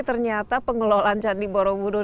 ternyata pengelolaan candi borobudur